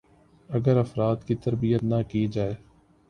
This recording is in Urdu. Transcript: ا گر افراد کی تربیت نہ کی جائے